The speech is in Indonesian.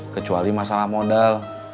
kecuali masalah modal